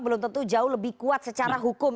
belum tentu jauh lebih kuat secara hukum